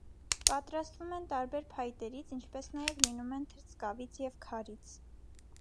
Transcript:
Պատրաստվում են տարբեր փայտերից, ինչպես նաև լինում են թրծկավից և քարից։